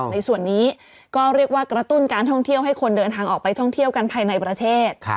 ในส่วนนี้ก็เรียกว่ากระตุ้นการท่องเที่ยวให้คนเดินทางออกไปท่องเที่ยวกันภายในประเทศ